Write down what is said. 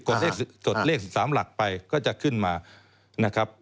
กดเลข๑๓หลักไปก็จะขึ้นมา